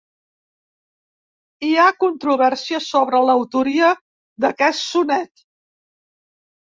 Hi ha controvèrsia sobre l'autoria d'aquest sonet.